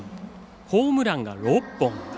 ホームランが６本。